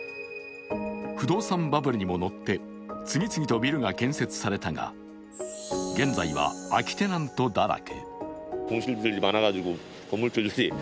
不動産バブルにも乗って次々とビルが建設されたが現在は空きテナントだらけ。